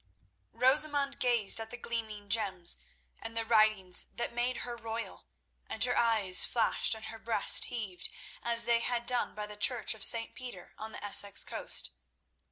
Rosamund gazed at the gleaming gems and the writings that made her royal, and her eyes flashed and her breast heaved, as they had done by the church of St. Peter on the Essex coast.